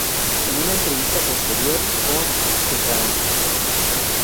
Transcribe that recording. En una entrevista posterior con Kerrang!